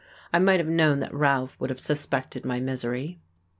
I might have known that Ralph would have suspected my misery.